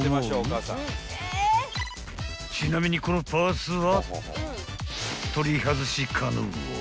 ［ちなみにこのパーツは］